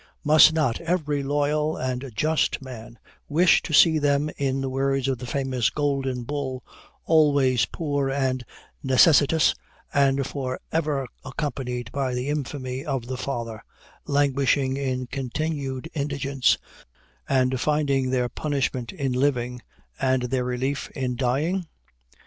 Must not every loyal and just man wish to see them, in the words of the famous Golden Bull, 'always poor and necessitous, and for ever accompanied by the infamy of the father, languishing in continued indigence, and finding their punishment in living, and their relief in dying?'